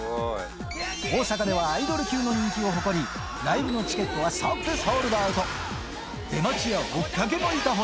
大阪ではアイドル級の人気を誇り、ライブのチケットは即ソールドアウト。